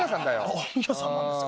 本屋さんなんですか？